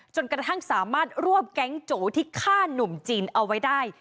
จนกระทั่งสามารถรวบแก๊งโจที่ฆ่าหนุ่มจีนเอาไว้ได้